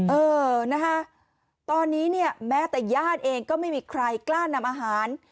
เออนะคะตอนนี้เนี่ยแม้แต่ญาติเองก็ไม่มีใครกล้านำอาหาร